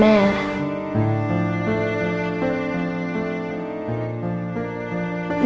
แม่ป่ายความมะซุออน